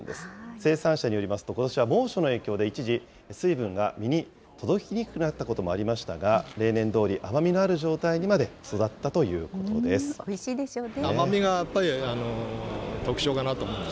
生産者によりますと、ことしは猛暑の影響で一時、水分が実に届きにくくなったこともありましたが、例年どおり甘みのある状態にまでおいしいでしょうね。